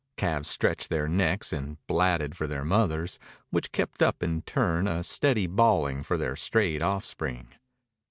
Calves stretched their necks and blatted for their mothers, which kept up in turn a steady bawling for their strayed offspring.